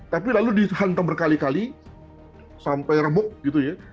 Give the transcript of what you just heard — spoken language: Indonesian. tapi lalu dihantam berkali kali sampai remuk gitu ya